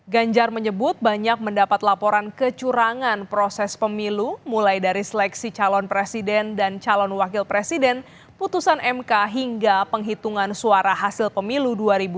ganjar menyebut banyak mendapat laporan kecurangan proses pemilu mulai dari seleksi calon presiden dan calon wakil presiden putusan mk hingga penghitungan suara hasil pemilu dua ribu dua puluh